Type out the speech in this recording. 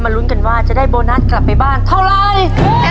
ลุ้นกันว่าจะได้โบนัสกลับไปบ้านเท่าไร